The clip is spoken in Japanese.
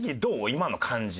今の感じ。